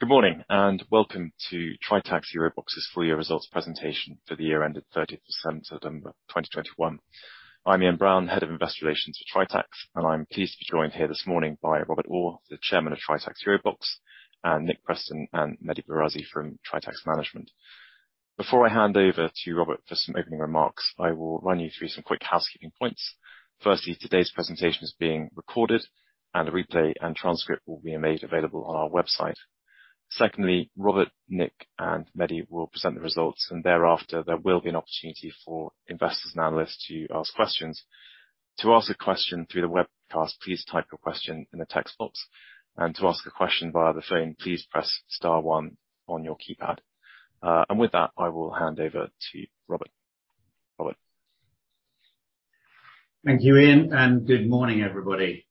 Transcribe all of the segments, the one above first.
Good morning, and welcome to Tritax EuroBox's full year results presentation for the year ended 30th of September 2021. I'm Ian Brown, Head of Investor Relations for Tritax, and I'm pleased to be joined here this morning by Robert Orr, the Chairman of Tritax EuroBox, and Nick Preston and Mehdi Bourassi from Tritax Management. Before I hand over to Robert for some opening remarks, I will run you through some quick housekeeping points. Firstly, today's presentation is being recorded and a replay and transcript will be made available on our website. Secondly, Robert, Nick and Mehdi will present the results, and thereafter there will be an opportunity for investors and analysts to ask questions. To ask a question through the webcast, please type your question in the text box, and to ask a question via the phone, please press star one on your keypad. With that, I will hand over to Robert. Robert. Thank you, Ian, and good morning, everybody.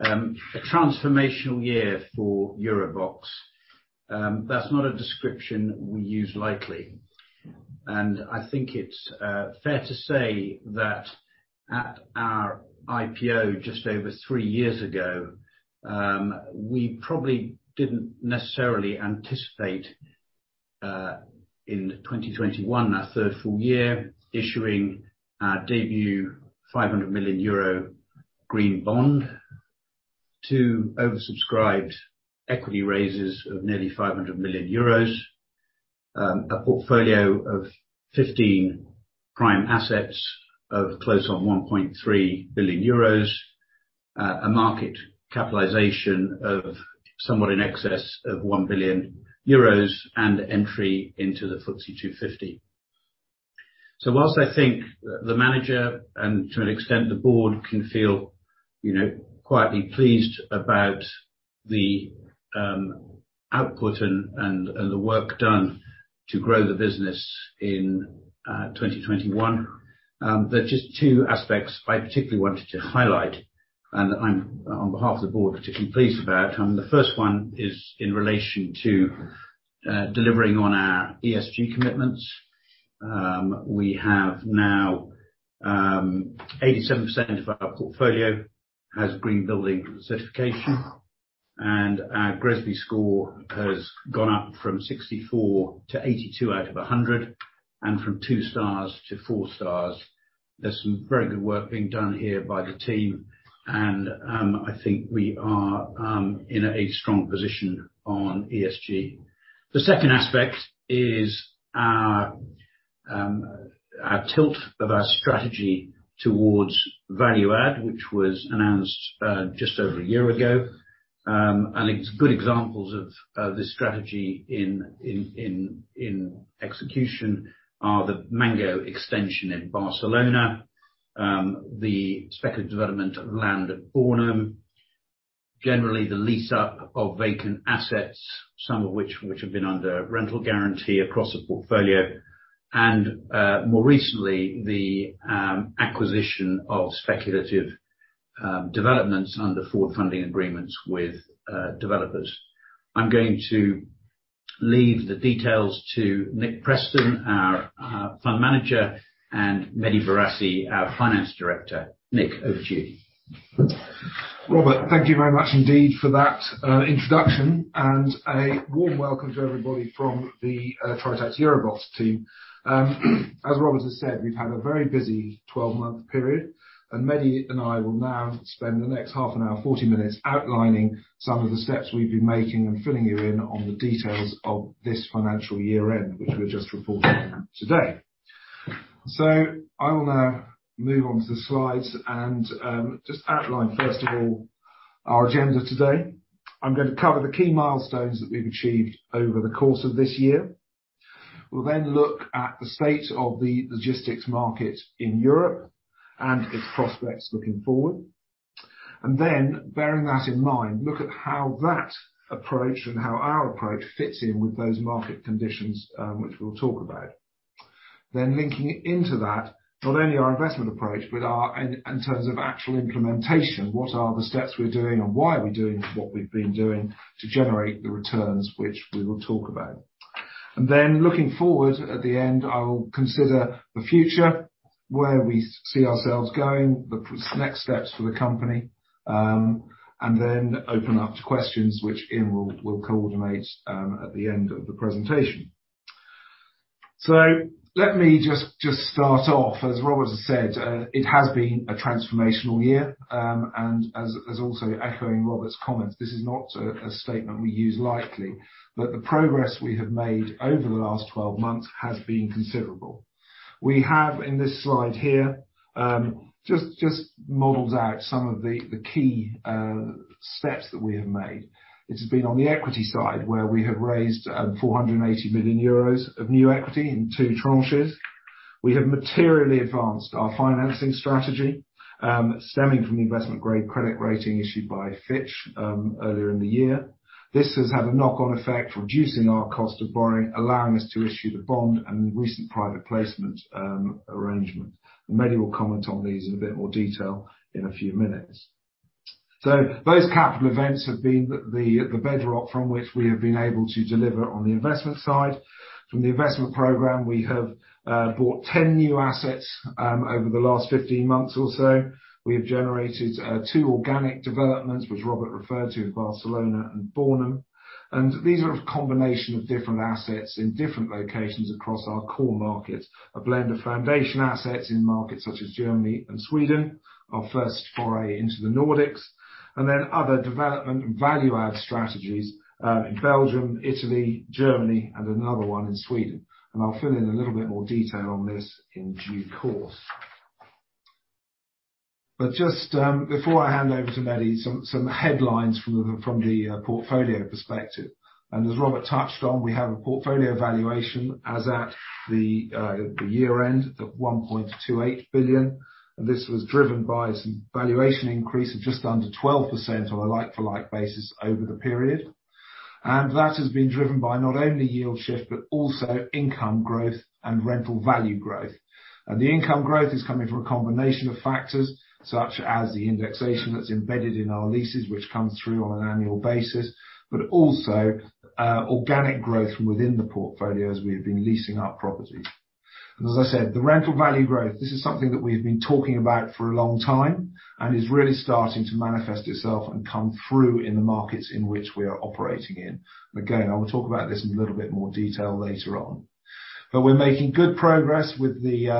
A transformational year for EuroBox. That's not a description we use lightly. I think it's fair to say that at our IPO just over three years ago, we probably didn't necessarily anticipate in 2021, our third full year, issuing our debut 500 million euro green bond to oversubscribed equity raises of nearly 500 million euros, a portfolio of 15 prime assets of close on 1.3 billion euros, a market capitalization of somewhat in excess of 1 billion euros, and entry into the FTSE 250. While I think the manager, and to an extent the board, can feel, you know, quietly pleased about the output and the work done to grow the business in 2021, there are just two aspects I particularly wanted to highlight, and I'm, on behalf of the board, particularly pleased about. The first one is in relation to delivering on our ESG commitments. We have now 87% of our portfolio has green building certification, and our GRESB score has gone up from 64 to 82 out of 100, and from two stars to four stars. There's some very good work being done here by the team, and I think we are in a strong position on ESG. The second aspect is our tilt of our strategy towards value add, which was announced just over a year ago. It's good examples of this strategy in execution are the Mango extension in Barcelona, the speculative development of land at Bornem, generally the lease up of vacant assets, some of which have been under rental guarantee across the portfolio, and more recently, the acquisition of speculative developments under forward funding agreements with developers. I'm going to leave the details to Nick Preston, our Fund Manager, and Mehdi Bourassi, our Finance Director. Nick, over to you. Robert, thank you very much indeed for that introduction, and a warm welcome to everybody from the Tritax EuroBox team. As Robert has said, we've had a very busy twelve-month period, and Mehdi and I will now spend the next half an hour, forty minutes outlining some of the steps we've been making and filling you in on the details of this financial year-end, which we're just reporting today. I will now move on to the slides and just outline, first of all, our agenda today. I'm gonna cover the key milestones that we've achieved over the course of this year. We'll then look at the state of the logistics market in Europe and its prospects looking forward. Then, bearing that in mind, look at how that approach and how our approach fits in with those market conditions, which we'll talk about. Linking into that, not only our investment approach, but our, in terms of actual implementation, what are the steps we're doing and why are we doing what we've been doing to generate the returns which we will talk about. Looking forward, at the end, I will consider the future, where we see ourselves going, the next steps for the company, and then open up to questions which Ian will coordinate, at the end of the presentation. Let me just start off. As Robert has said, it has been a transformational year, and as also echoing Robert's comments, this is not a statement we use lightly. The progress we have made over the last 12 months has been considerable. We have, in this slide here, just models out some of the key steps that we have made. It has been on the equity side where we have raised 480 million euros of new equity in two tranches. We have materially advanced our financing strategy stemming from the investment-grade credit rating issued by Fitch earlier in the year. This has had a knock-on effect, reducing our cost of borrowing, allowing us to issue the bond and recent private placement arrangement. Mehdi will comment on these in a bit more detail in a few minutes. Those capital events have been the bedrock from which we have been able to deliver on the investment side. From the investment program, we have bought 10 new assets over the last 15 months or so. We have generated two organic developments, which Robert referred to, Barcelona and Bornem. These are a combination of different assets in different locations across our core markets. A blend of foundation assets in markets such as Germany and Sweden. Our first foray into the Nordics, and then other development and value add strategies in Belgium, Italy, Germany, and another one in Sweden. I'll fill in a little bit more detail on this in due course. Just before I hand over to Mehdi, some headlines from the portfolio perspective. As Robert touched on, we have a portfolio valuation as at the year end at 1.28 billion. This was driven by some valuation increase of just under 12% on a like-for-like basis over the period. That has been driven by not only yield shift, but also income growth and rental value growth. The income growth is coming from a combination of factors such as the indexation that's embedded in our leases which come through on an annual basis, but also organic growth from within the portfolio as we have been leasing out properties. As I said, the rental value growth, this is something that we've been talking about for a long time, and is really starting to manifest itself and come through in the markets in which we are operating in. Again, I will talk about this in a little bit more detail later on. We're making good progress with the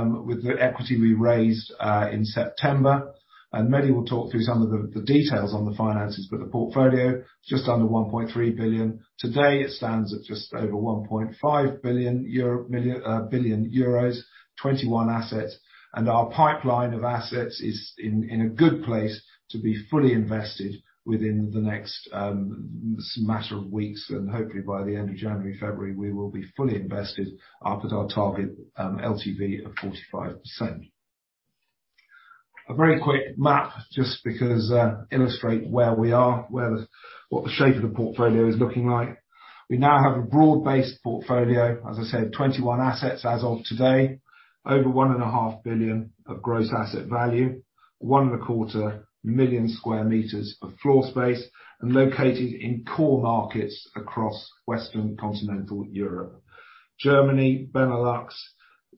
equity we raised in September. Mehdi will talk through some of the details on the finances. The portfolio is just under 1.3 billion. Today, it stands at just over 1.5 billion euro, 21 assets. Our pipeline of assets is in a good place to be fully invested within the next matter of weeks. Hopefully by the end of January, February, we will be fully invested up at our target LTV of 45%. A very quick map, just because to illustrate where we are, what the shape of the portfolio is looking like. We now have a broad-based portfolio. As I said, 21 assets as of today. Over 1.5 billion of gross asset value. 1.25 million sq m of floor space, and located in core markets across Western Continental Europe. Germany, Benelux,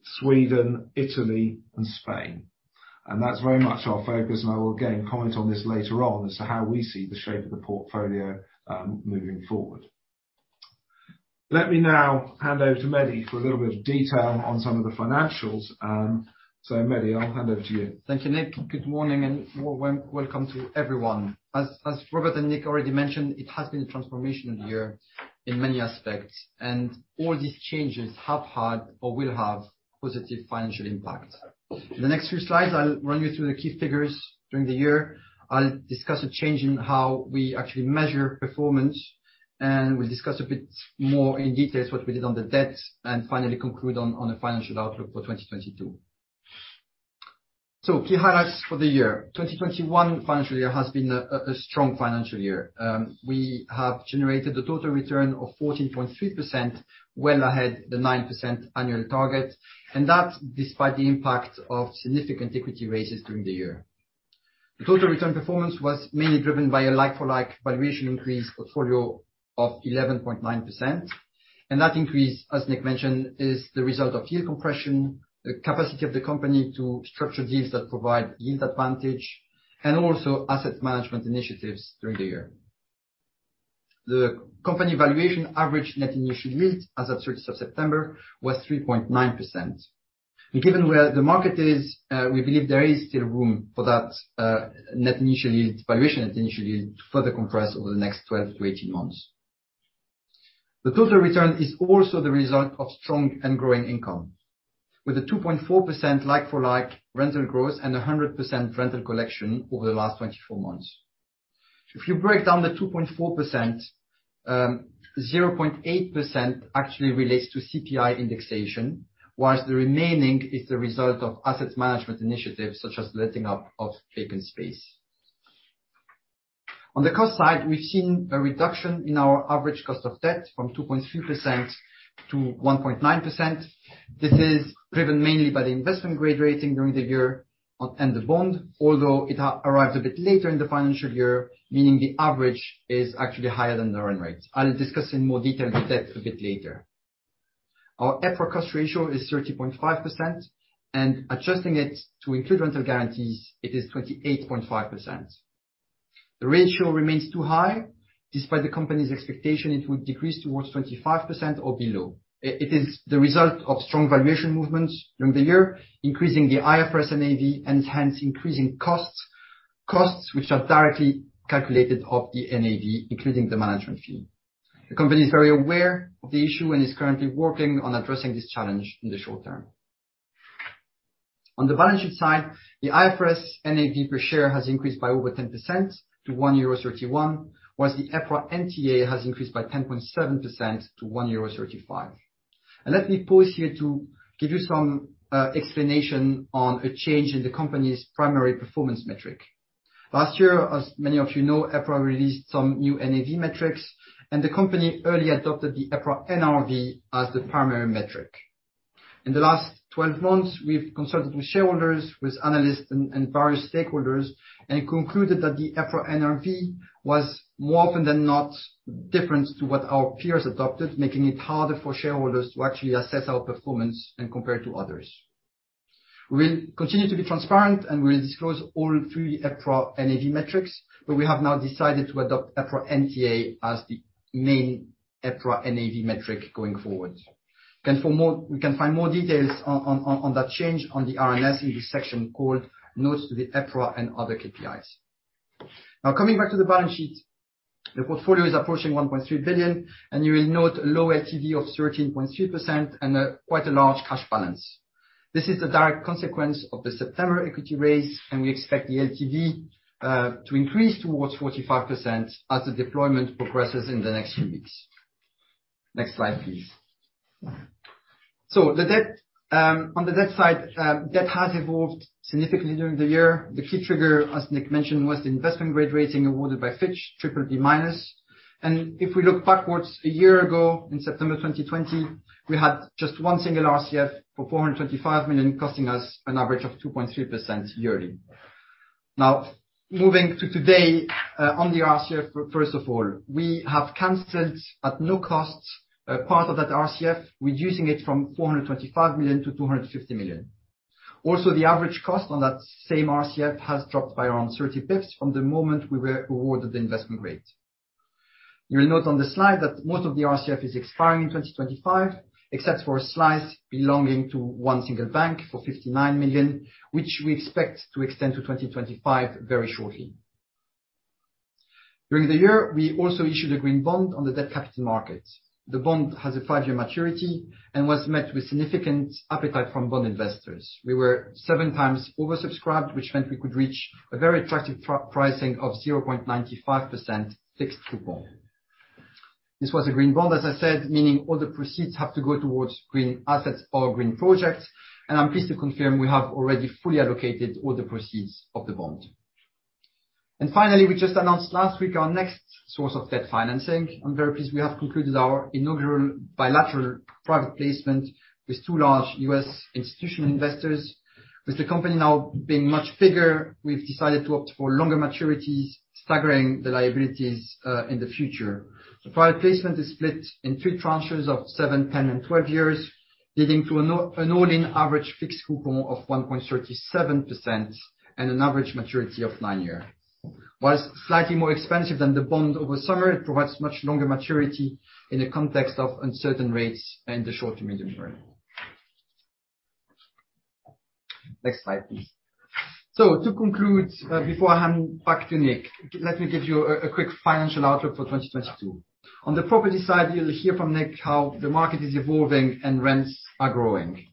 Sweden, Italy, and Spain. That's very much our focus, and I will again comment on this later on as to how we see the shape of the portfolio, moving forward. Let me now hand over to Mehdi for a little bit of detail on some of the financials. Mehdi, I'll hand over to you. Thank you, Nick. Good morning and welcome to everyone. As Robert and Nick already mentioned, it has been a transformational year in many aspects, and all these changes have had or will have positive financial impact. The next few slides, I'll run you through the key figures during the year. I'll discuss a change in how we actually measure performance, and we'll discuss a bit more in details what we did on the debt, and finally conclude on a financial outlook for 2022. Key highlights for the year. 2021 financial year has been a strong financial year. We have generated a total return of 14.3%, well ahead the 9% annual target, and that despite the impact of significant equity raises during the year. The total return performance was mainly driven by a like-for-like valuation increase portfolio of 11.9%, and that increase, as Nick mentioned, is the result of yield compression, the capacity of the company to structure deals that provide yield advantage and also asset management initiatives during the year. The company valuation average net initial yield as of 30th September was 3.9%. Given where the market is, we believe there is still room for that net initial yield, valuation net initial yield to further compress over the next 12 months-18 months. The total return is also the result of strong and growing income, with a 2.4% like-for-like rental growth and a 100% rental collection over the last 24 months. If you break down the 2.4%, 0.8% actually relates to CPI indexation, while the remaining is the result of asset management initiatives such as letting up of vacant space. On the cost side, we've seen a reduction in our average cost of debt from 2.3% to 1.9%. This is driven mainly by the investment grade rating during the year on the bond, although it arrived a bit later in the financial year, meaning the average is actually higher than the earn rate. I'll discuss in more detail the debt a bit later. Our EPRA cost ratio is 30.5%, and adjusting it to include rental guarantees, it is 28.5%. The ratio remains too high, despite the company's expectation it will decrease towards 25% or below. It is the result of strong valuation movements during the year, increasing the IFRS NAV and hence increasing costs. Costs which are directly calculated off the NAV, including the management fee. The company is very aware of the issue and is currently working on addressing this challenge in the short term. On the balance sheet side, the IFRS NAV per share has increased by over 10% to 1.31 euro, while the EPRA NTA has increased by 10.7% to 1.35 euro. Let me pause here to give you some explanation on a change in the company's primary performance metric. Last year, as many of you know, EPRA released some new NAV metrics, and the company early adopted the EPRA NRV as the primary metric. In the last 12 months, we've consulted with shareholders, with analysts and various stakeholders, and concluded that the EPRA NRV was more often than not different to what our peers adopted, making it harder for shareholders to actually assess our performance and compare to others. We'll continue to be transparent, and we'll disclose all three EPRA NAV metrics, but we have now decided to adopt EPRA NTA as the main EPRA NAV metric going forward. You can find more details on that change on the RNS in the section called Notes to the EPRA and Other KPIs. Now, coming back to the balance sheet, the portfolio is approaching 1.3 billion, and you will note a low LTV of 13.3% and quite a large cash balance. This is the direct consequence of the September equity raise, and we expect the LTV to increase towards 45% as the deployment progresses in the next few weeks. Next slide, please. The debt, on the debt side, debt has evolved significantly during the year. The key trigger, as Nick mentioned, was the investment-grade rating awarded by Fitch, BBB-. If we look backwards a year ago, in September 2020, we had just one single RCF for 425 million, costing us an average of 2.3% yearly. Now, moving to today, on the RCF, first of all, we have canceled, at no cost, a part of that RCF, reducing it from 425 million to 250 million. Also, the average cost on that same RCF has dropped by around 30 basis points from the moment we were awarded the investment-grade. You'll note on the slide that most of the RCF is expiring in 2025, except for a slice belonging to one single bank for 59 million, which we expect to extend to 2025 very shortly. During the year, we also issued a green bond on the debt capital market. The bond has a five-year maturity and was met with significant appetite from bond investors. We were 7x oversubscribed, which meant we could reach a very attractive pricing of 0.95% fixed coupon. This was a green bond, as I said, meaning all the proceeds have to go towards green assets or green projects, and I'm pleased to confirm we have already fully allocated all the proceeds of the bond. Finally, we just announced last week our next source of debt financing. I'm very pleased we have concluded our inaugural bilateral private placement with two large US institutional investors. With the company now being much bigger, we've decided to opt for longer maturities, staggering the liabilities, in the future. The private placement is split in three tranches of seven, 10, and 12 years, leading to an all-in average fixed coupon of 1.37% and an average maturity of nine years. While slightly more expensive than the bond over summer, it provides much longer maturity in the context of uncertain rates in the short to medium term. Next slide, please. To conclude, before I hand back to Nick, let me give you a quick financial outlook for 2022. On the property side, you'll hear from Nick how the market is evolving and rents are growing.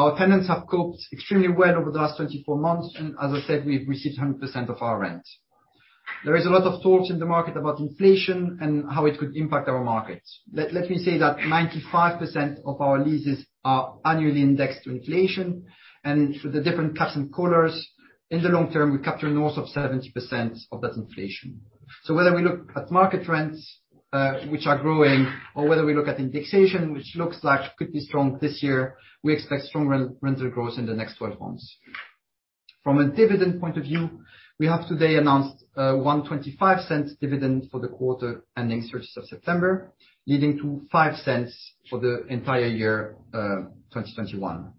Our tenants have coped extremely well over the last 24 months, and as I said, we've received 100% of our rent. There is a lot of talk in the market about inflation and how it could impact our market. Let me say that 95% of our leases are annually indexed to inflation, and through the different caps and collars, in the long term, we capture north of 70% of that inflation. Whether we look at market rents, which are growing, or whether we look at indexation, which looks like it could be strong this year, we expect strong re-rental growth in the next 12 months. From a dividend point of view, we have today announced a 0.0125 dividend for the quarter ending 30 September, leading to 0.05 for the entire year 2021.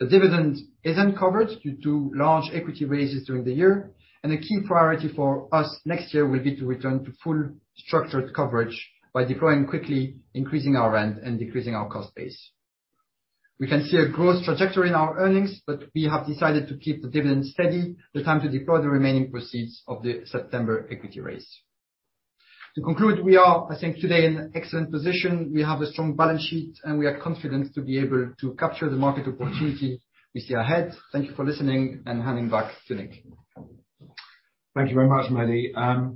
The dividend is uncovered due to large equity raises during the year, and a key priority for us next year will be to return to full structured coverage by deploying quickly, increasing our rent, and decreasing our cost base. We can see a growth trajectory in our earnings, but we have decided to keep the dividend steady at this time to deploy the remaining proceeds of the September equity raise. To conclude, we are, I think, today in an excellent position. We have a strong balance sheet, and we are confident to be able to capture the market opportunity we see ahead. Thank you for listening, and handing back to Nick. Thank you very much, Mehdi.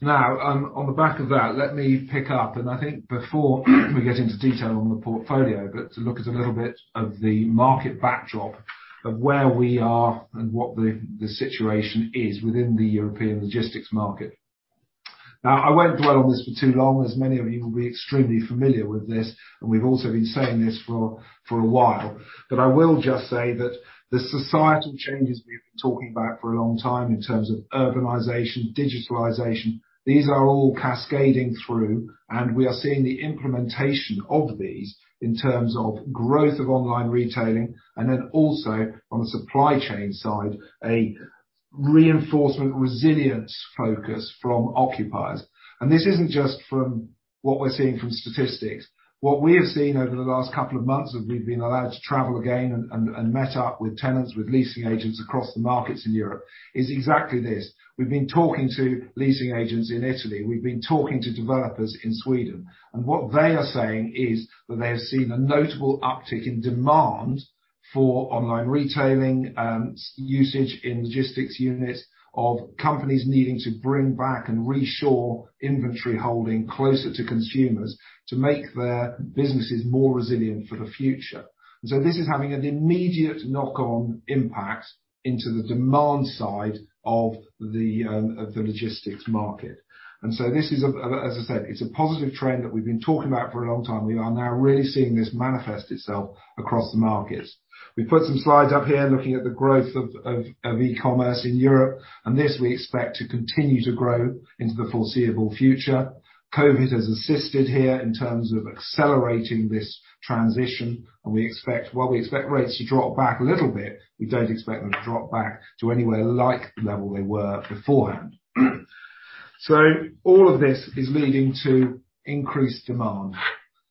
Now, on the back of that, let me pick up, and I think before we get into detail on the portfolio, but to look at a little bit of the market backdrop of where we are and what the situation is within the European logistics market. I won't dwell on this for too long, as many of you will be extremely familiar with this, and we've also been saying this for a while. I will just say that the societal changes we've been talking about for a long time in terms of urbanization, digitalization, these are all cascading through, and we are seeing the implementation of these in terms of growth of online retailing and then also on the supply chain side, a reinforcing resilience focus from occupiers. This isn't just from what we're seeing from statistics. What we have seen over the last couple of months as we've been allowed to travel again and met up with tenants, with leasing agents across the markets in Europe, is exactly this. We've been talking to leasing agents in Italy, we've been talking to developers in Sweden, and what they are saying is that they have seen a notable uptick in demand for online retailing usage in logistics units of companies needing to bring back and reshore inventory holding closer to consumers to make their businesses more resilient for the future. This is having an immediate knock-on impact into the demand side of the logistics market. This is, as I said, it's a positive trend that we've been talking about for a long time. We are now really seeing this manifest itself across the markets. We put some slides up here looking at the growth of e-commerce in Europe, and this we expect to continue to grow into the foreseeable future. COVID has assisted here in terms of accelerating this transition, while we expect rates to drop back a little bit. We don't expect them to drop back to anywhere like the level they were beforehand. All of this is leading to increased demand.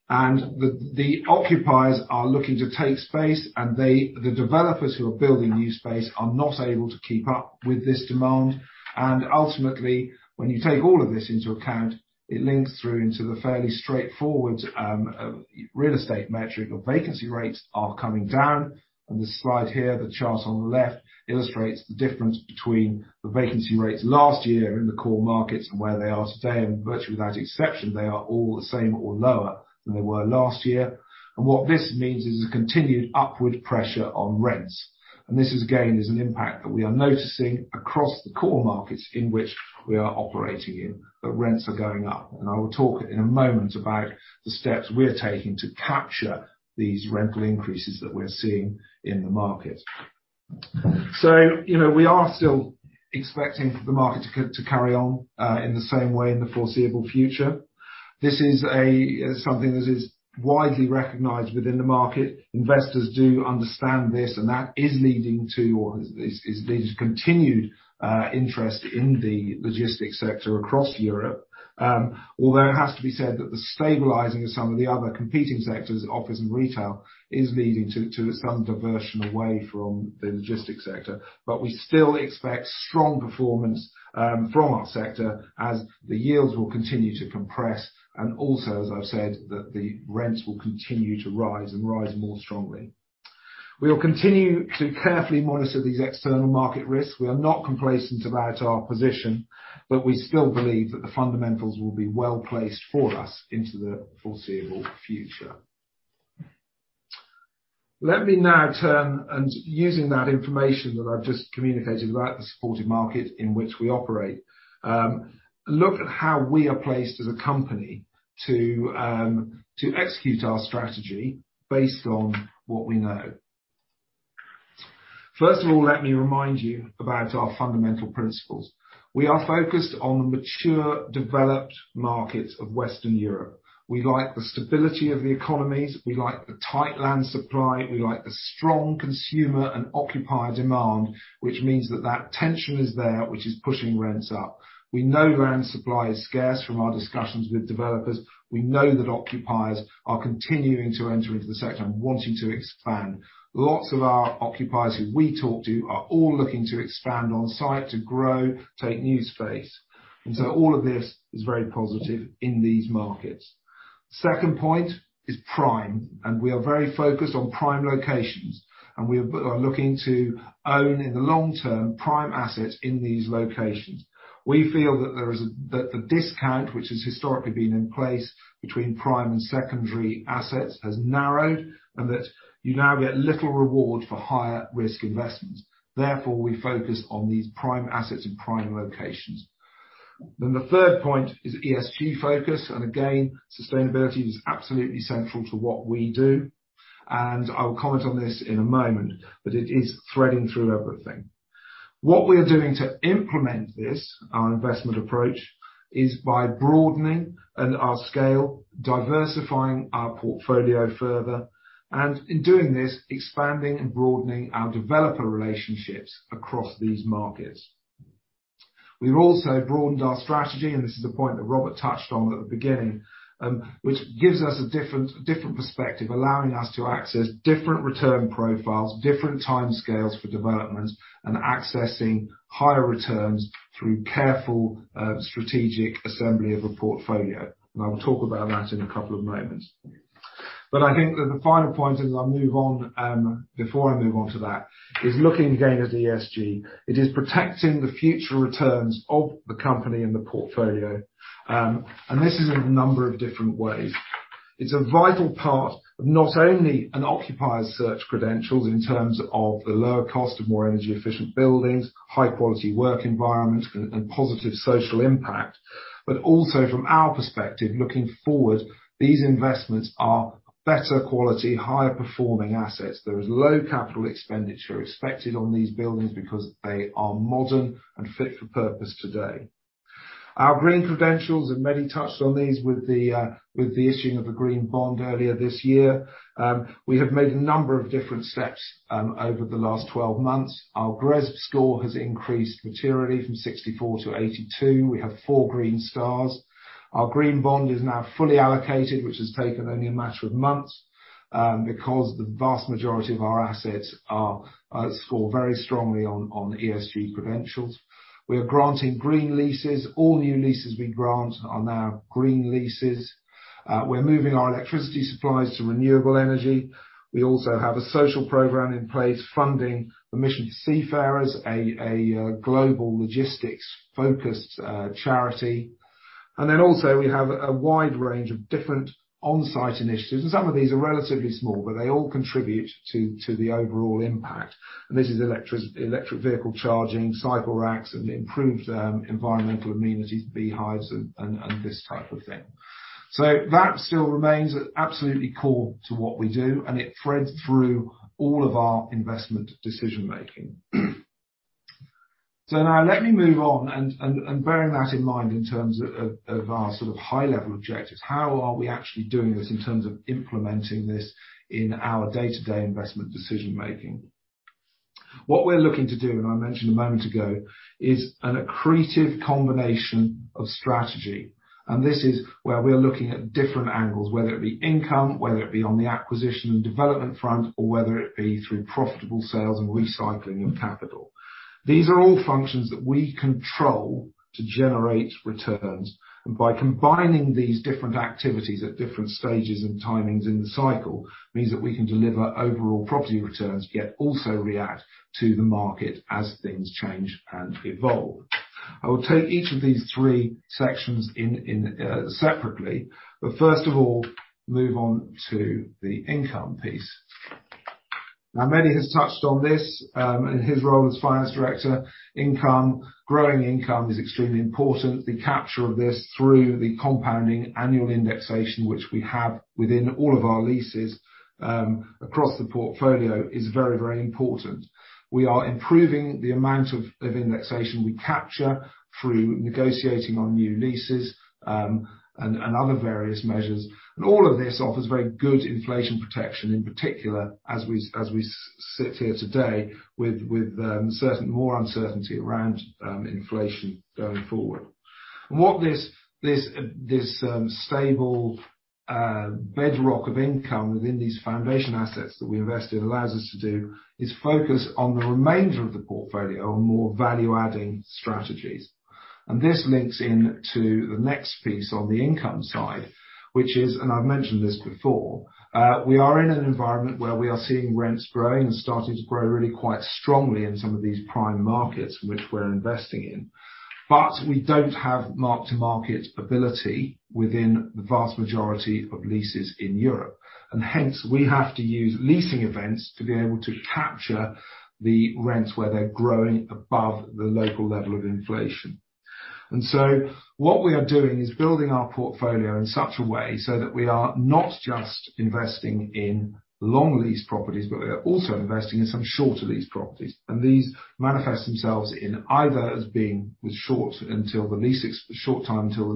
The occupiers are looking to take space, and the developers who are building new space are not able to keep up with this demand. Ultimately, when you take all of this into account, it links through into the fairly straightforward real estate metric that vacancy rates are coming down. On this slide here, the chart on the left illustrates the difference between the vacancy rates last year in the core markets and where they are today. Virtually without exception, they are all the same or lower than they were last year. What this means is a continued upward pressure on rents. This is, again, an impact that we are noticing across the core markets in which we are operating in, that rents are going up. I will talk in a moment about the steps we are taking to capture these rental increases that we're seeing in the market. You know, we are still expecting the market to carry on in the same way in the foreseeable future. This is something that is widely recognized within the market. Investors do understand this, and that is leading to, or there's continued interest in the logistics sector across Europe. Although it has to be said that the stabilizing of some of the other competing sectors, office and retail, is leading to some diversion away from the logistics sector. We still expect strong performance from our sector as the yields will continue to compress, and also, as I've said, that the rents will continue to rise and rise more strongly. We will continue to carefully monitor these external market risks. We are not complacent about our position, but we still believe that the fundamentals will be well-placed for us into the foreseeable future. Let me now turn, and using that information that I've just communicated about the supportive market in which we operate, look at how we are placed as a company to execute our strategy based on what we know. First of all, let me remind you about our fundamental principles. We are focused on the mature, developed markets of Western Europe. We like the stability of the economies, we like the tight land supply, we like the strong consumer and occupier demand, which means that tension is there, which is pushing rents up. We know land supply is scarce from our discussions with developers. We know that occupiers are continuing to enter into the sector and wanting to expand. Lots of our occupiers who we talk to are all looking to expand on-site, to grow, take new space. All of this is very positive in these markets. Second point is prime, and we are very focused on prime locations, and we are looking to own, in the long term, prime assets in these locations. We feel that the discount, which has historically been in place between prime and secondary assets has narrowed and that you now get little reward for higher-risk investments. Therefore, we focus on these prime assets in prime locations. The third point is ESG focus. Again, sustainability is absolutely central to what we do, and I will comment on this in a moment, but it is threading through everything. What we are doing to implement this, our investment approach, is by broadening our scale, diversifying our portfolio further, and in doing this, expanding and broadening our developer relationships across these markets. We've also broadened our strategy, and this is a point that Robert touched on at the beginning, which gives us a different perspective, allowing us to access different return profiles, different timescales for developments, and accessing higher returns through careful, strategic assembly of a portfolio. I will talk about that in a couple of moments. I think that the final point as I move on, before I move on to that, is looking again at ESG. It is protecting the future returns of the company and the portfolio. This is in a number of different ways. It's a vital part of not only an occupier's ESG credentials in terms of the lower cost of more energy-efficient buildings, high-quality work environments and positive social impact. Also from our perspective, looking forward, these investments are better quality, higher performing assets. There is low capital expenditure expected on these buildings because they are modern and fit for purpose today. Our green credentials, and Manny touched on these with the issuing of the green bond earlier this year. We have made a number of different steps over the last 12 months. Our GRESB score has increased materially from 64 to 82. We have four green stars. Our green bond is now fully allocated, which has taken only a matter of months because the vast majority of our assets score very strongly on ESG credentials. We are granting green leases. All new leases we grant are now green leases. We're moving our electricity supplies to renewable energy. We also have a social program in place funding the Mission to Seafarers, a global logistics-focused charity. Then also we have a wide range of different on-site initiatives, and some of these are relatively small, but they all contribute to the overall impact. This is electric vehicle charging, cycle racks, and improved environmental amenities, beehives, and this type of thing. That still remains absolutely core to what we do, and it threads through all of our investment decision-making. Now let me move on, and bearing that in mind in terms of our sort of high level objectives, how are we actually doing this in terms of implementing this in our day-to-day investment decision-making? What we're looking to do, and I mentioned a moment ago, is an accretive combination of strategy. This is where we are looking at different angles, whether it be income, whether it be on the acquisition and development front, or whether it be through profitable sales and recycling of capital. These are all functions that we control to generate returns. By combining these different activities at different stages and timings in the cycle means that we can deliver overall property returns, yet also react to the market as things change and evolve. I will take each of these three sections separately, but first of all, move on to the income piece. Now, Manny has touched on this in his role as finance director. Income, growing income is extremely important. The capture of this through the compounding annual indexation, which we have within all of our leases across the portfolio is very, very important. We are improving the amount of indexation we capture through negotiating on new leases, and other various measures. All of this offers very good inflation protection, in particular as we sit here today with certain more uncertainty around inflation going forward. What this stable bedrock of income within these foundation assets that we invest in allows us to do is focus on the remainder of the portfolio on more value-adding strategies. This links in to the next piece on the income side, which is, and I've mentioned this before, we are in an environment where we are seeing rents growing and starting to grow really quite strongly in some of these prime markets which we're investing in. We don't have mark-to-market ability within the vast majority of leases in Europe, and hence we have to use leasing events to be able to capture the rents where they're growing above the local level of inflation. What we are doing is building our portfolio in such a way so that we are not just investing in long lease properties, but we are also investing in some shorter lease properties. These manifest themselves in either as being with short time until the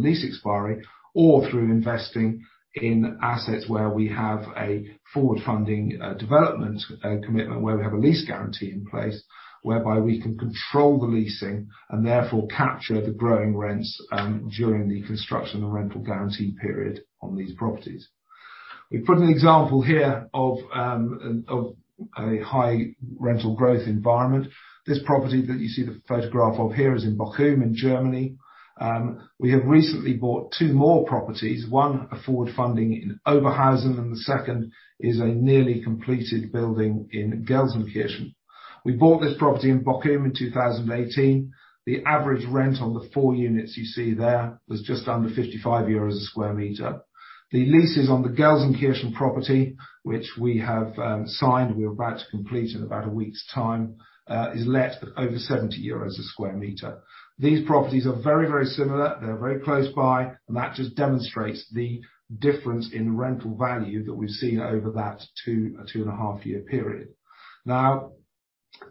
lease expiry, or through investing in assets where we have a forward funding development commitment, where we have a lease guarantee in place whereby we can control the leasing and therefore capture the growing rents during the construction and rental guarantee period on these properties. We've put an example here of a high rental growth environment. This property that you see the photograph of here is in Bochum in Germany. We have recently bought two more properties, one a forward funding in Oberhausen, and the second is a nearly completed building in Gelsenkirchen. We bought this property in Bochum in 2018. The average rent on the four units you see there was just under 55 euros/sq m. The leases on the Gelsenkirchen property, which we have signed, we're about to complete in about a week's time, is let at over 70 euros/sq m. These properties are very, very similar. They're very close by, and that just demonstrates the difference in rental value that we've seen over that two and a half year period. Now,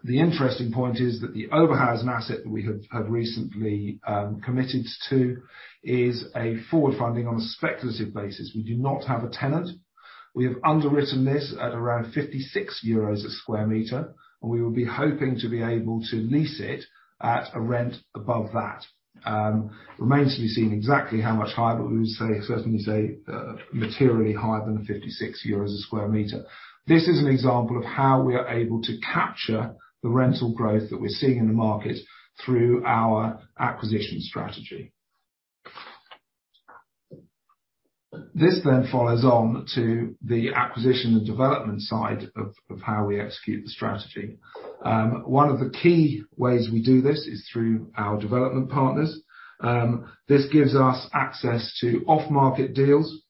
the interesting point is that the Oberhausen asset that we have recently committed to is a forward funding on a speculative basis. We do not have a tenant. We have underwritten this at around 56 euros/sq m, and we will be hoping to be able to lease it at a rent above that. Remains to be seen exactly how much higher, but we would say certainly say materially higher than the 56 euros/sq m. This is an example of how we are able to capture the rental growth that we're seeing in the market through our acquisition strategy. This follows on to the acquisition and development side of how we execute the strategy. One of the key ways we do this is through our development partners. This gives us access to off-market deals.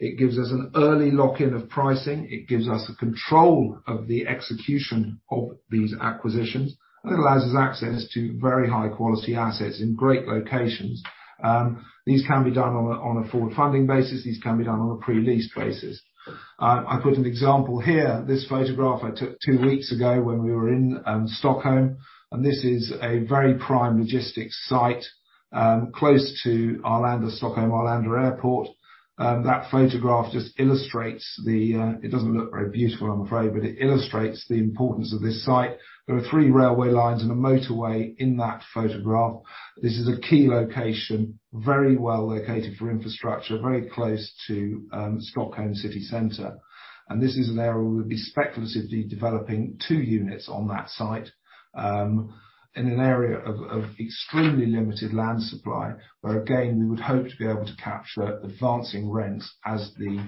It gives us an early lock-in of pricing. It gives us the control of the execution of these acquisitions and allows us access to very high quality assets in great locations. These can be done on a forward funding basis. These can be done on a pre-lease basis. I put an example here. This photograph I took two weeks ago when we were in Stockholm, and this is a very prime logistics site close to Arlanda, Stockholm Arlanda Airport. That photograph just illustrates it doesn't look very beautiful, I'm afraid, but it illustrates the importance of this site. There are three railway lines and a motorway in that photograph. This is a key location, very well located for infrastructure, very close to Stockholm city center. This is an area where we'd be speculatively developing two units on that site, in an area of extremely limited land supply, where again, we would hope to be able to capture advancing rents as the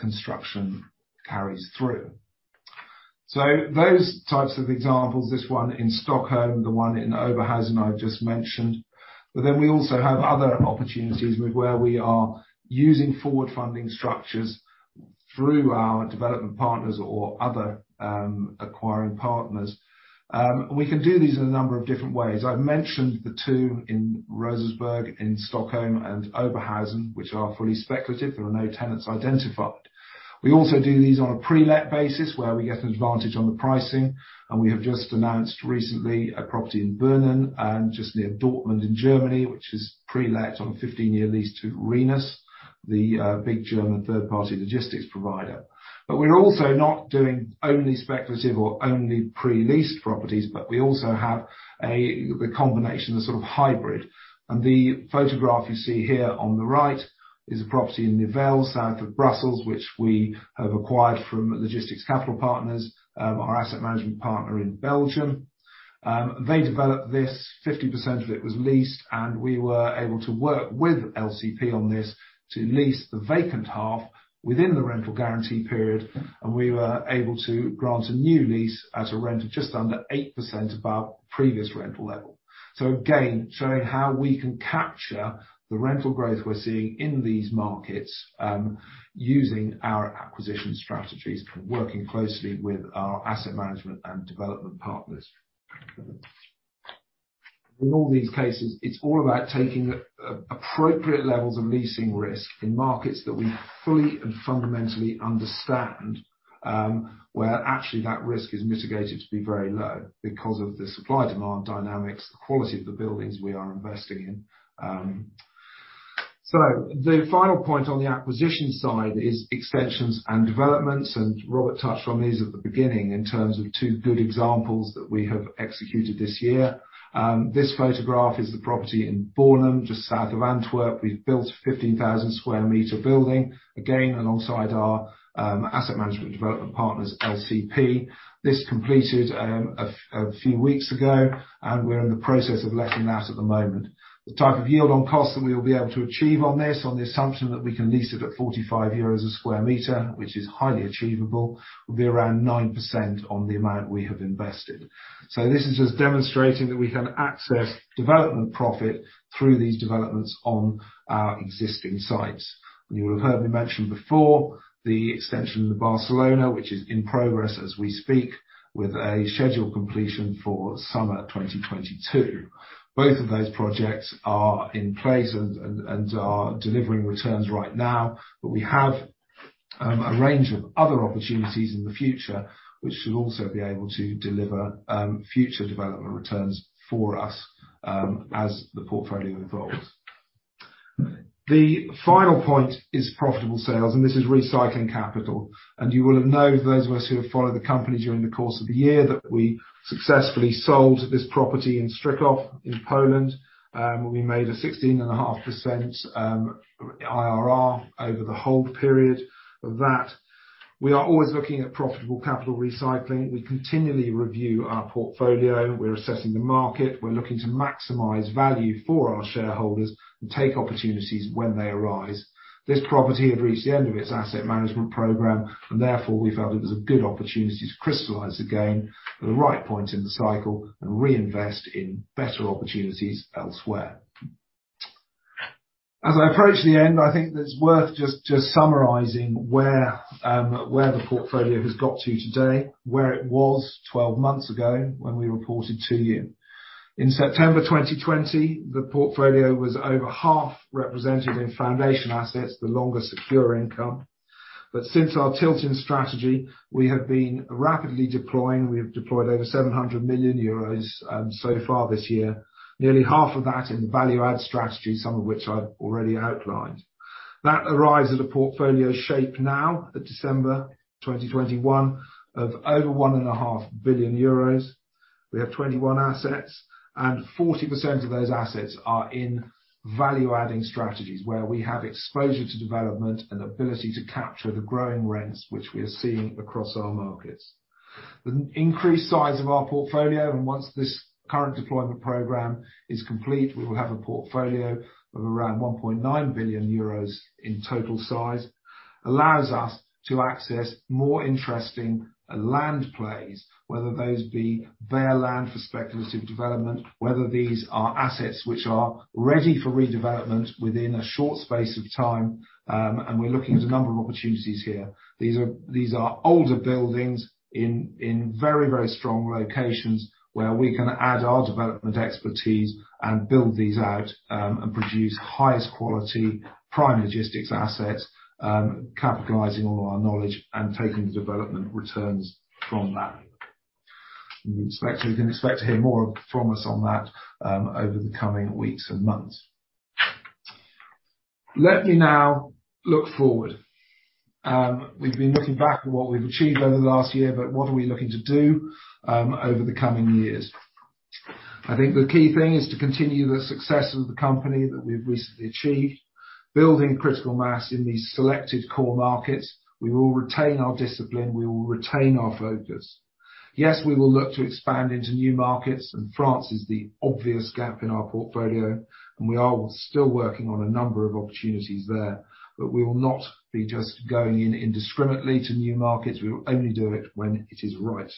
construction carries through. Those types of examples, this one in Stockholm, the one in Oberhausen I've just mentioned. We also have other opportunities where we are using forward funding structures through our development partners or other acquiring partners. We can do these in a number of different ways. I've mentioned the two in Rosersberg, in Stockholm and Oberhausen, which are fully speculative. There are no tenants identified. We also do these on a pre-let basis, where we get an advantage on the pricing, and we have just announced recently a property in Berlin and just near Dortmund in Germany, which is pre-let on a 15-year lease to Rhenus, the big German third-party logistics provider. We're also not doing only speculative or only pre-leased properties, but we also have the combination, the sort of hybrid. The photograph you see here on the right is a property in Nivelles, south of Brussels, which we have acquired from Logistics Capital Partners, our asset management partner in Belgium. They developed this, 50% of it was leased, and we were able to work with LCP on this to lease the vacant half within the rental guarantee period, and we were able to grant a new lease at a rent of just under 8% above previous rental level. Again, showing how we can capture the rental growth we're seeing in these markets, using our acquisition strategies, working closely with our asset management and development partners. In all these cases, it's all about taking appropriate levels of leasing risk in markets that we fully and fundamentally understand, where actually that risk is mitigated to be very low because of the supply/demand dynamics, the quality of the buildings we are investing in. The final point on the acquisition side is extensions and developments, and Robert touched on these at the beginning in terms of two good examples that we have executed this year. This photograph is the property in Bornem, just south of Antwerp. We've built a 15,000 sq m building, again, alongside our asset management development partners, LCP. This completed a few weeks ago, and we're in the process of letting that at the moment. The type of yield on cost that we will be able to achieve on this, on the assumption that we can lease it at 45 euros/sq m, which is highly achievable, will be around 9% on the amount we have invested. This is just demonstrating that we can access development profit through these developments on our existing sites. You will have heard me mention before the extension of the Barcelona, which is in progress as we speak, with a scheduled completion for summer 2022. Both of those projects are in place and are delivering returns right now, but we have a range of other opportunities in the future which should also be able to deliver future development returns for us as the portfolio evolves. The final point is profitable sales, and this is recycling capital. You will have known, those of us who have followed the company during the course of the year, that we successfully sold this property in Stryków in Poland and we made a 16.5% IRR over the hold period of that. We are always looking at profitable capital recycling. We continually review our portfolio. We're assessing the market. We're looking to maximize value for our shareholders and take opportunities when they arise. This property had reached the end of its asset management program and therefore we felt it was a good opportunity to crystallize the gain at the right point in the cycle and reinvest in better opportunities elsewhere. As I approach the end, I think that it's worth just summarizing where the portfolio has got to today, where it was 12 months ago when we reported to you. In September 2020, the portfolio was over half represented in foundation assets, the longest secure income. Since our tilting strategy, we have been rapidly deploying. We have deployed over 700 million euros so far this year, nearly half of that in value add strategy, some of which I've already outlined. That gives rise to a portfolio shape now at December 2021 of over 1.5 billion euros. We have 21 assets, and 40% of those assets are in value-adding strategies where we have exposure to development and ability to capture the growing rents which we are seeing across our markets. The increased size of our portfolio, and once this current deployment program is complete, we will have a portfolio of around 1.9 billion euros in total size, allows us to access more interesting land plays, whether those be bare land for speculative development, whether these are assets which are ready for redevelopment within a short space of time, and we're looking at a number of opportunities here. These are older buildings in very strong locations where we can add our development expertise and build these out, and produce highest quality prime logistics assets, capitalizing all our knowledge and taking the development returns from that. You can expect to hear more from us on that, over the coming weeks and months. Let me now look forward. We've been looking back at what we've achieved over the last year, but what are we looking to do, over the coming years? I think the key thing is to continue the success of the company that we've recently achieved, building critical mass in these selected core markets. We will retain our discipline, we will retain our focus. Yes, we will look to expand into new markets, and France is the obvious gap in our portfolio, and we are still working on a number of opportunities there. We will not be just going in indiscriminately to new markets. We will only do it when it is right.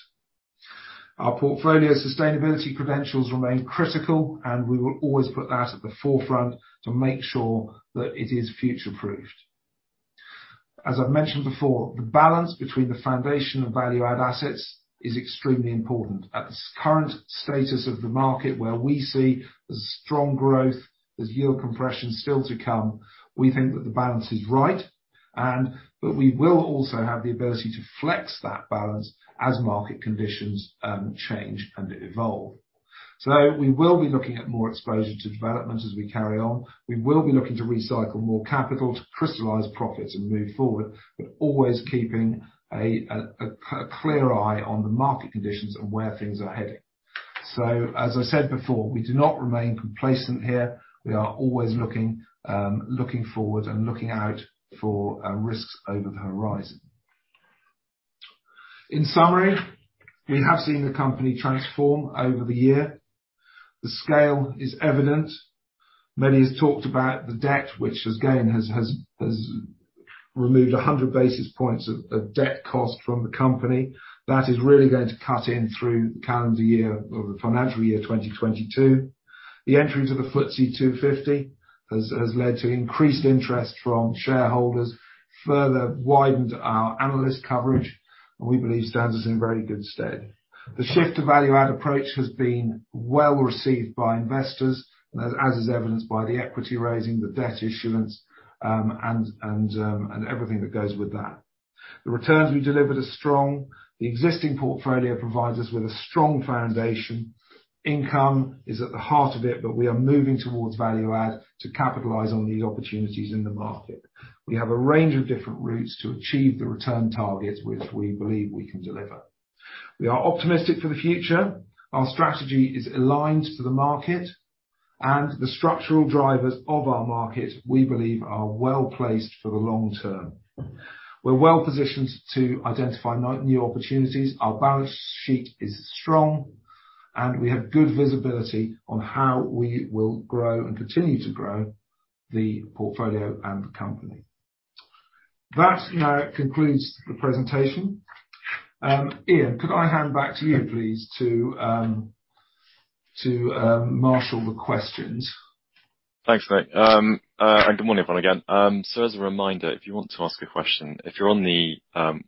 Our portfolio sustainability credentials remain critical, and we will always put that at the forefront to make sure that it is future-proofed. As I've mentioned before, the balance between the foundation and value-add assets is extremely important. At this current status of the market where we see there's strong growth, there's yield compression still to come, we think that the balance is right but we will also have the ability to flex that balance as market conditions change and evolve. We will be looking at more exposure to development as we carry on. We will be looking to recycle more capital to crystallize profits and move forward, but always keeping a clear eye on the market conditions and where things are heading. As I said before, we do not remain complacent here. We are always looking forward and looking out for risks over the horizon. In summary, we have seen the company transform over the year. The scale is evident. Manny has talked about the debt, which has again removed 100 basis points of debt cost from the company. That is really going to cut in through calendar year or the financial year 2022. The entry to the FTSE 250 has led to increased interest from shareholders, further widened our analyst coverage, and we believe stands us in very good stead. The shift to value-add approach has been well-received by investors, as is evidenced by the equity raising, the debt issuance, and everything that goes with that. The returns we delivered are strong. The existing portfolio provides us with a strong foundation. Income is at the heart of it, but we are moving towards value add to capitalize on these opportunities in the market. We have a range of different routes to achieve the return targets, which we believe we can deliver. We are optimistic for the future. Our strategy is aligned to the market. The structural drivers of our market, we believe, are well-placed for the long term. We're well-positioned to identify new opportunities. Our balance sheet is strong, and we have good visibility on how we will grow and continue to grow the portfolio and the company. That now concludes the presentation. Ian, could I hand back to you, please, to marshal the questions? Thanks, Nick. Good morning, everyone, again. As a reminder, if you want to ask a question, if you're on the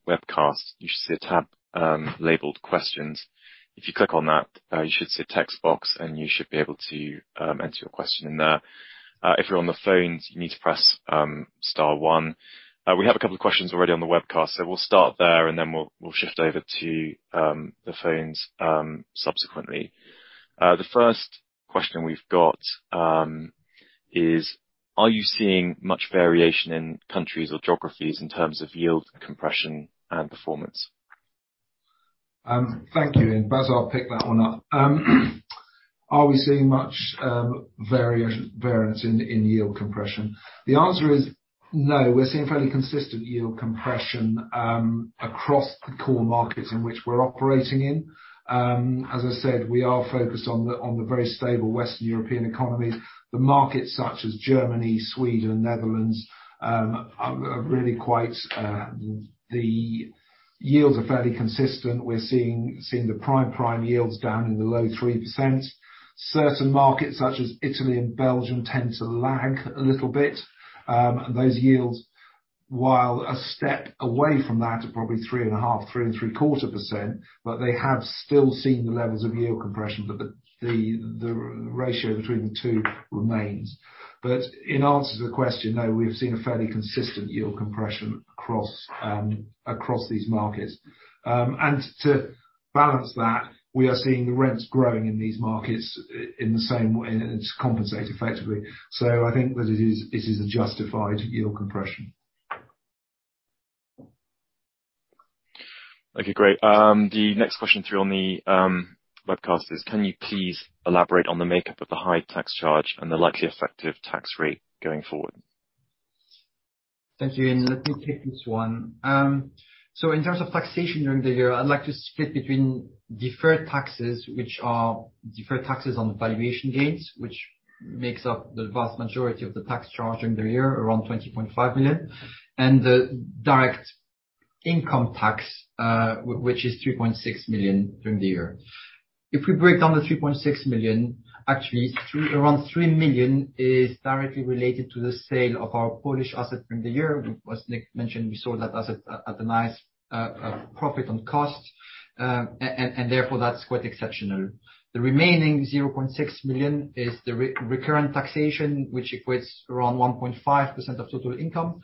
webcast, you should see a tab labeled Questions. If you click on that, you should see a text box, and you should be able to enter your question in there. If you're on the phone, you need to press star one. We have a couple of questions already on the webcast, so we'll start there and then we'll shift over to the phones subsequently. The first question we've got is, Are you seeing much variation in countries or geographies in terms of yield compression and performance? Thank you, Ian. Basile will pick that one up. Are we seeing much variance in yield compression? The answer is no. We're seeing fairly consistent yield compression across the core markets in which we're operating in. As I said, we are focused on the very stable Western European economies. The markets such as Germany, Sweden, Netherlands are really quite. The yields are fairly consistent. We're seeing the prime yields down in the low 3%. Certain markets such as Italy and Belgium tend to lag a little bit. Those yields, while a step away from that at probably 3.5%, 3.75%, but they have still seen the levels of yield compression, but the ratio between the two remains. In answer to the question, no, we've seen a fairly consistent yield compression across these markets. To balance that, we are seeing the rents growing in these markets in the same way, and it's compensated effectively. I think that it is a justified yield compression. Okay, great. The next question through on the webcast is, Can you please elaborate on the makeup of the high tax charge and the likely effective tax rate going forward? Thank you, Ian. Let me take this one. In terms of taxation during the year, I'd like to split between deferred taxes, which are deferred taxes on the valuation gains, which makes up the vast majority of the tax charge during the year, around 20.5 million, and the direct income tax, which is 3.6 million during the year. If we break down the 3.6 million, actually around 3 million is directly related to the sale of our Polish asset during the year. As Nick mentioned, we sold that asset at a nice profit on cost, and therefore, that's quite exceptional. The remaining 0.6 million is the recurrent taxation, which equates around 1.5% of total income.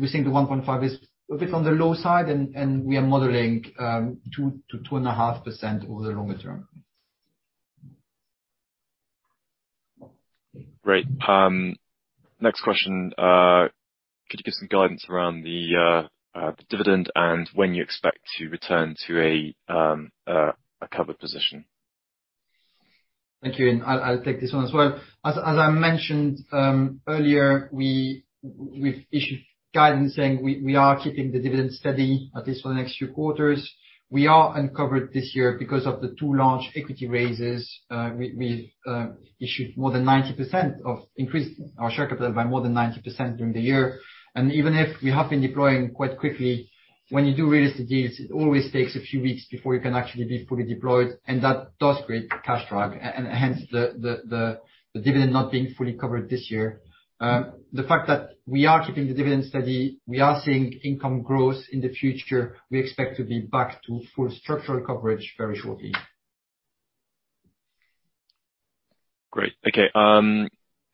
We think the 1.5 is a bit on the low side and we are modeling 2%-2.5% over the longer term. Great. Next question. Could you give some guidance around the dividend and when you expect to return to a covered position? Thank you. I'll take this one as well. As I mentioned earlier, we've issued guidance saying we are keeping the dividend steady, at least for the next few quarters. We are uncovered this year because of the two large equity raises. We increased our share capital by more than 90% during the year. Even if we have been deploying quite quickly, when you do real estate deals, it always takes a few weeks before you can actually be fully deployed, and that does create cash drag, and hence, the dividend not being fully covered this year. The fact that we are keeping the dividend steady, we are seeing income growth in the future, we expect to be back to full structural coverage very shortly. Great. Okay,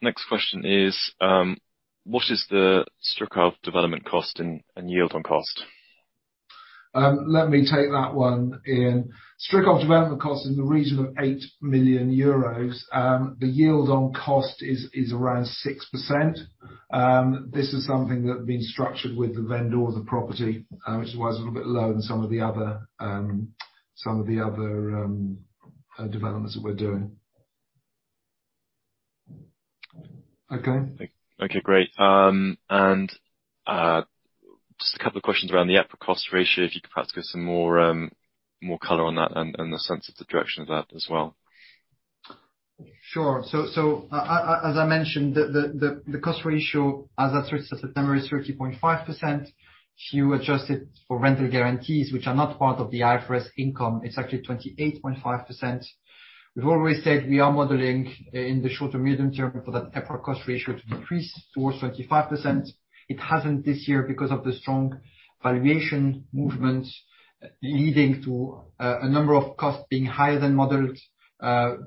next question is, what is the Stryków development cost and yield on cost? Let me take that one, Ian. Stryków development cost is in the region of 8 million euros. The yield on cost is around 6%. This is something that has been structured with the vendor of the property, which is why it's a little bit lower than some of the other developments that we're doing. Okay. Okay, great. Just a couple of questions around the EPRA cost ratio, if you could perhaps give some more color on that and the sense of the direction of that as well. Sure. As I mentioned, the cost ratio as at third quarter September is 30.5%. If you adjust it for rental guarantees, which are not part of the IFRS income, it's actually 28.5%. We've always said we are modeling in the short to medium term for that EPRA cost ratio to decrease towards 25%. It hasn't this year because of the strong valuation movement leading to a number of costs being higher than modeled,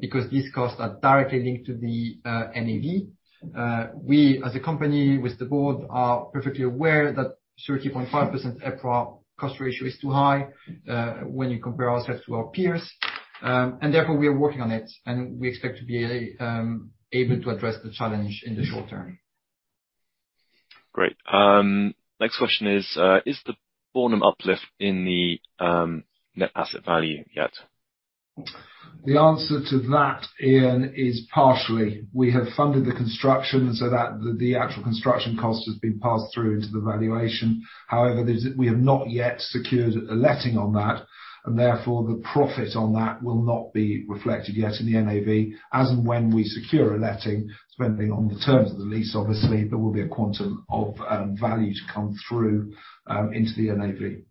because these costs are directly linked to the NAV. We, as a company, with the board, are perfectly aware that 30.5% EPRA cost ratio is too high, when you compare ourselves to our peers. Therefore, we are working on it, and we expect to be able to address the challenge in the short term. Great. Next question is the Bornem uplift in the net asset value yet? The answer to that, Ian, is partially. We have funded the construction so that the actual construction cost has been passed through into the valuation. However, we have not yet secured a letting on that, and therefore the profit on that will not be reflected yet in the NAV. As and when we secure a letting, depending on the terms of the lease, obviously, there will be a quantum of value to come through into the NAV.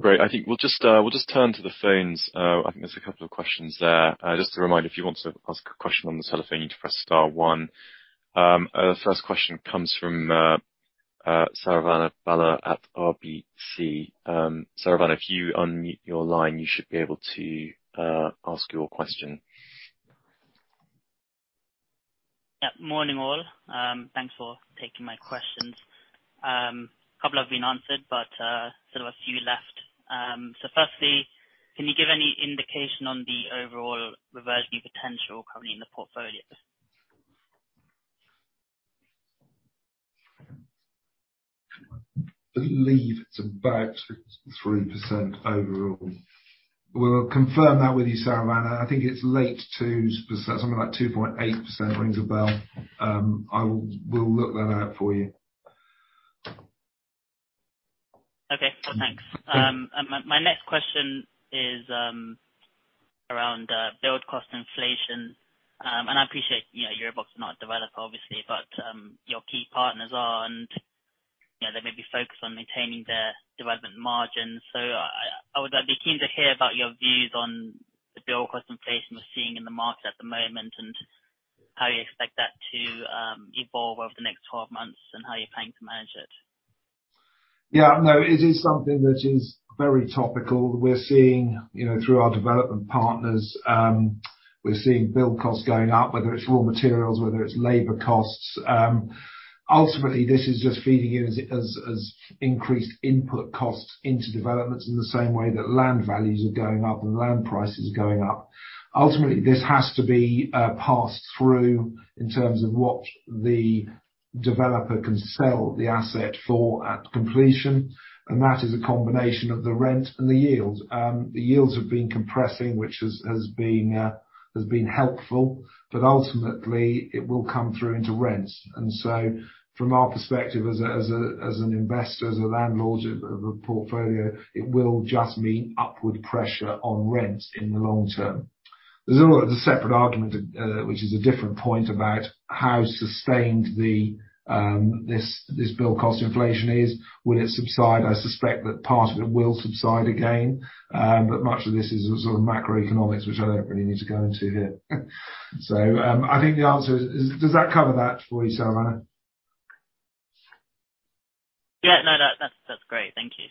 Great. I think we'll just turn to the phones. I think there's a couple of questions there. Just a reminder, if you want to ask a question on the telephone, you need to press star one. The first question comes from Saravana Bala at RBC. Saravana, if you unmute your line, you should be able to ask your question. Morning, all. Thanks for taking my questions. A couple have been answered, but still have a few left. Firstly, can you give any indication on the overall reversionary potential currently in the portfolio? I believe it's about 3% overall. We'll confirm that with you, Saravana. I think it's late 2s%, something like 2.8% rings a bell. We'll look that out for you. Okay, cool. Thanks. My next question is around build cost inflation. I appreciate, you know, EuroBox is not a developer obviously, but your key partners are, and you know, they may be focused on maintaining their development margins. I would be keen to hear about your views on the build cost inflation we're seeing in the market at the moment, and how you expect that to evolve over the next 12 months, and how you're planning to manage it. Yeah, no, it is something that is very topical. We're seeing, you know, through our development partners, build costs going up, whether it's raw materials, whether it's labor costs. Ultimately, this is just feeding in as increased input costs into developments in the same way that land values are going up and land prices are going up. Ultimately, this has to be passed through in terms of what the developer can sell the asset for at completion, and that is a combination of the rent and the yields. The yields have been compressing, which has been helpful, but ultimately, it will come through into rents. From our perspective as an investor, as a landlord of a portfolio, it will just mean upward pressure on rents in the long term. There's a separate argument, which is a different point about how sustained this build cost inflation is. Will it subside? I suspect that part of it will subside again. Much of this is a sort of macroeconomics, which I don't really need to go into here. I think the answer is. Does that cover that for you, Saravana? Yeah. No, that's great. Thank you.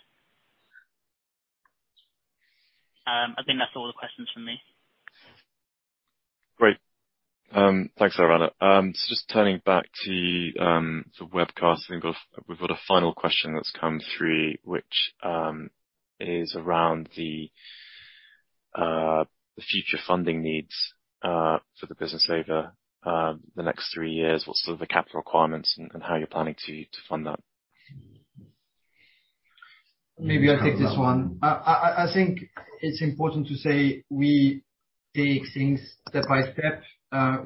I think that's all the questions from me. Thanks, Saravana. Just turning back to the webcast, I think we've got a final question that's come through, which is around the future funding needs for the business over the next three years. What's sort of the capital requirements and how you're planning to fund that? Maybe I'll take this one. I think it's important to say we take things step by step.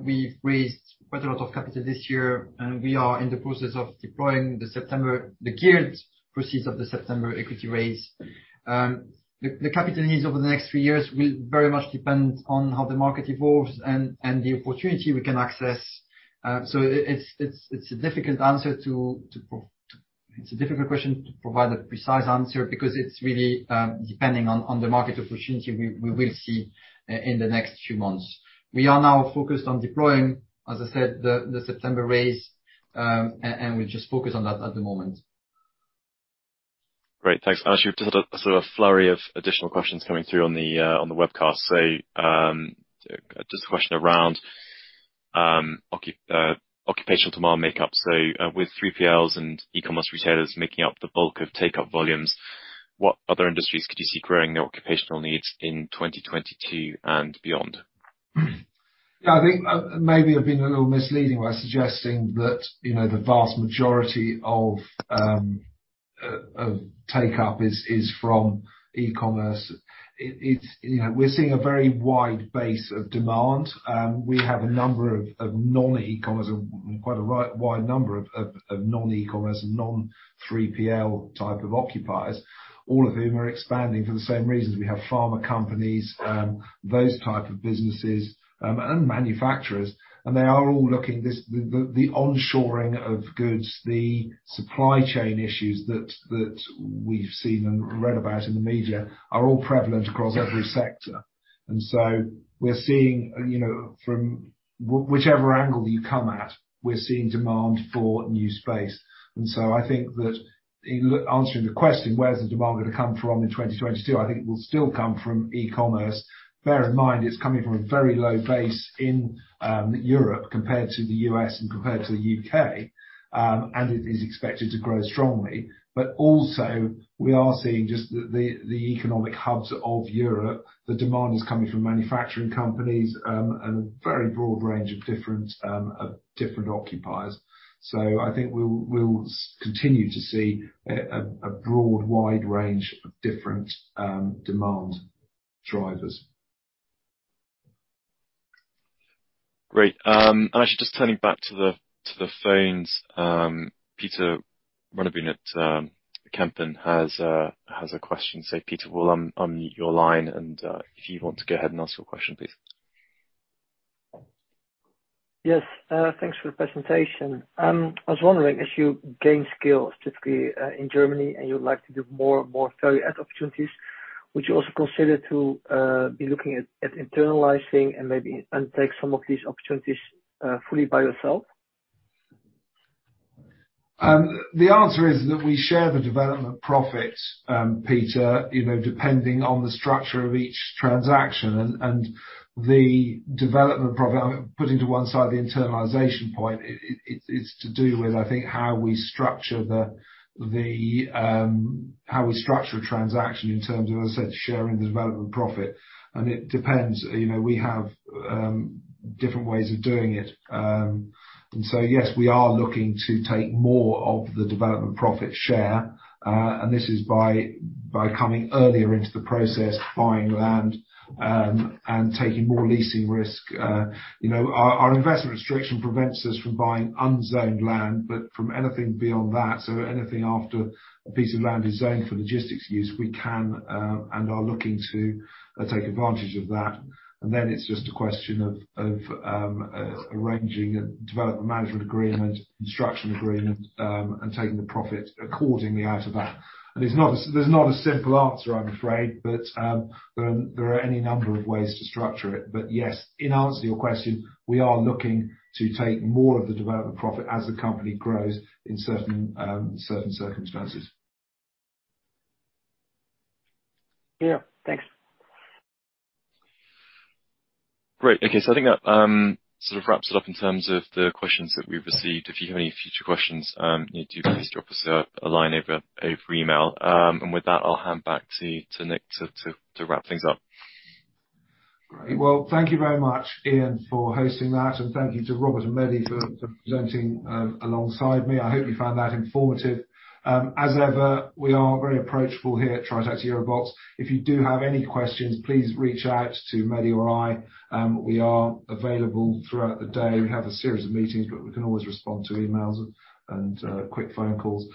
We've raised quite a lot of capital this year, and we are in the process of deploying the geared proceeds of the September equity raise. The capital needs over the next three years will very much depend on how the market evolves and the opportunity we can access. It's a difficult question to provide a precise answer because it's really depending on the market opportunity we will see in the next few months. We are now focused on deploying, as I said, the September raise, and we're just focused on that at the moment. Great. Thanks. Actually, we've just had a sort of flurry of additional questions coming through on the webcast. Just a question around occupational demand makeup. With 3PLs and e-commerce retailers making up the bulk of take-up volumes, what other industries could you see growing their occupational needs in 2022 and beyond? Yeah, I think maybe I've been a little misleading by suggesting that, you know, the vast majority of take-up is from e-commerce. It's you know, we're seeing a very wide base of demand. We have a number of non-e-commerce and quite a wide number of non-e-commerce and non-3PL type of occupiers, all of whom are expanding for the same reasons. We have pharma companies, those type of businesses, and manufacturers. They are all looking. The onshoring of goods, the supply chain issues that we've seen and read about in the media are all prevalent across every sector. We're seeing, you know, from whichever angle you come at, we're seeing demand for new space. I think that answering the question, where's the demand gonna come from in 2022? I think it will still come from e-commerce. Bear in mind, it's coming from a very low base in, Europe compared to the US and compared to the UK, and it is expected to grow strongly. Also, we are seeing just the economic hubs of Europe, the demand is coming from manufacturing companies, and a very broad range of different occupiers. I think we'll continue to see a broad wide range of different demand drivers. Great. Actually just turning back to the phones, Peter Runebeen at Kempen has a question. Peter, we'll unmute your line and, if you want to go ahead and ask your question, please. Yes. Thanks for the presentation. I was wondering, as you gain skills, typically, in Germany and you'd like to do more value add opportunities, would you also consider to be looking at internalizing and maybe and take some of these opportunities fully by yourself? The answer is that we share the development profits, Peter, you know, depending on the structure of each transaction. The development profit, putting to one side the internalization point, it's to do with, I think, how we structure a transaction in terms of, as I said, sharing the development profit, and it depends. You know, we have different ways of doing it. Yes, we are looking to take more of the development profit share, and this is by coming earlier into the process, buying land, and taking more leasing risk. You know, our investment restriction prevents us from buying unzoned land, but from anything beyond that, so anything after a piece of land is zoned for logistics use, we can and are looking to take advantage of that. It's just a question of arranging a development management agreement, construction agreement, and taking the profit accordingly out of that. There's not a simple answer, I'm afraid, but there are any number of ways to structure it. Yes, in answer to your question, we are looking to take more of the development profit as the company grows in certain circumstances. Yeah. Thanks. Great. Okay. I think that sort of wraps it up in terms of the questions that we've received. If you have any future questions, you do please drop us a line over email. With that, I'll hand back to Nick to wrap things up. Great. Well, thank you very much, Ian, for hosting that. Thank you to Robert and Mehdi for presenting alongside me. I hope you found that informative. As ever, we are very approachable here at Tritax EuroBox. If you do have any questions, please reach out to Mehdi or I. We are available throughout the day. We have a series of meetings, but we can always respond to emails and quick phone calls.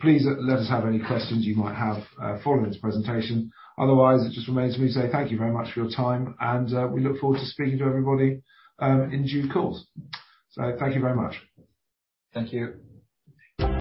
Please let us have any questions you might have following this presentation. Otherwise, it just remains me to say thank you very much for your time, and we look forward to speaking to everybody in due course. Thank you very much. Thank you.